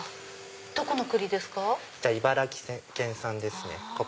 どこの栗ですか？